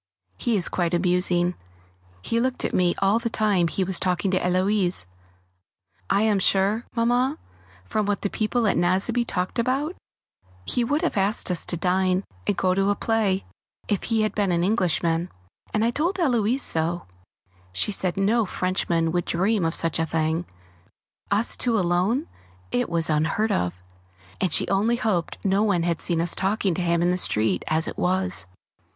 He is quite amusing; he looked at me all the time he was talking to Héloise. I am sure, Mamma, from what the people at Nazeby talked about, he would have asked us to dine and go to a play if he had been an Englishman, and I told Héloise so. She said no Frenchman would dream of such a thing us two alone it was unheard of! and she only hoped no one had seen us talking to him in the street as it was!